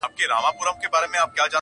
بيزو وان چي سو پناه د دېوال شا ته.!